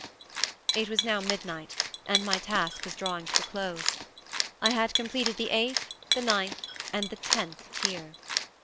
It was now midnight, and my task was drawing to a close. I had completed the eighth, the ninth, and the tenth tier.